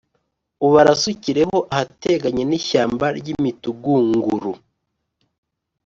ubarasukireho ahateganye n’ishyamba ry’imitugunguru.